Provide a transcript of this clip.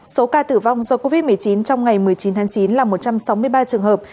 số ca tử vong do covid một mươi chín trong ngày một mươi chín tháng chín là một trăm sáu mươi ba trường hợp